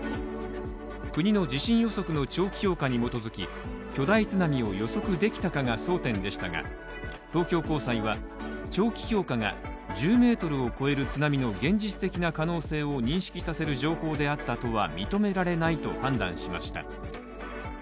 国の地震予測の長期評価に基づき巨大津波が予測できたかが焦点でしたが東京高裁は長期評価が１０ｍを超える津波の現実的な可能性を認識させる情報であったとは認められないと判断しました。